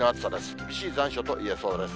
厳しい残暑といえそうです。